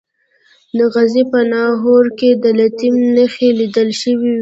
د غزني په ناهور کې د لیتیم نښې لیدل شوي دي.